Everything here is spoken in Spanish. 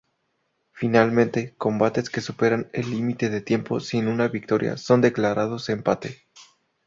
Finalmente, combates que superan el límite de tiempo sin una victoria son declarados empate.